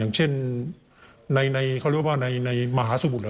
อย่างเช่นในมหาสมุทร